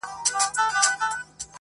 چي نه عادت نه ضرورت وو، مينا څه ډول وه.